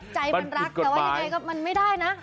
ใจมันรักแต่ว่ายังไงก็มันไม่ได้นะ